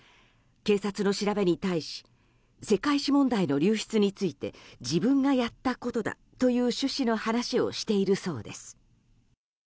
警察の調べに対し世界史問題の流出について自分がやったことだという趣旨の話をしているそうです。